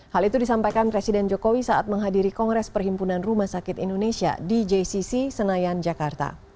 hal itu disampaikan presiden jokowi saat menghadiri kongres perhimpunan rumah sakit indonesia di jcc senayan jakarta